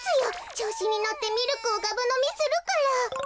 ちょうしにのってミルクをがぶのみするから。